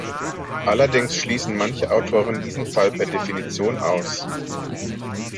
Allerdings schließen manche Autoren diesen Fall per Definition aus.